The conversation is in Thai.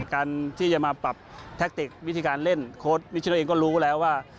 การที่จะมาปรับแทคติกวิธีการเล่นโค้ชนิชิโน่เองก็รู้แล้วว่า